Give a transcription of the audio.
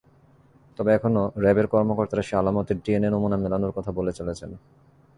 তবে এখনো র্যাবের কর্মকর্তারা সেই আলামতের ডিএনএ নমুনা মেলানোর কথা বলে চলেছেন।